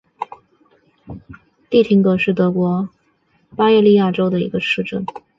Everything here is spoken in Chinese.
蒂廷格是德国巴伐利亚州的一个市镇。